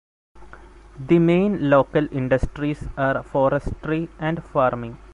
The main local industries are forestry and farming.